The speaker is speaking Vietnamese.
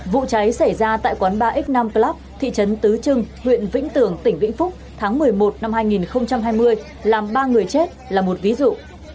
vụ cháy xảy ra tại quán ba x năm plub thị trấn tứ trưng huyện vĩnh tường tỉnh vĩnh phúc tháng một mươi một năm hai nghìn hai mươi làm ba người chết là một ví dụ